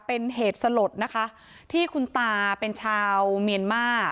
เป็นเหตุสลดนะคะที่คุณตาเป็นชาวเมียนมา